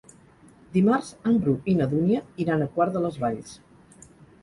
Dimarts en Bru i na Dúnia iran a Quart de les Valls.